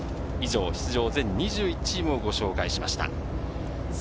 以上、出場全２１チームをご紹介しました。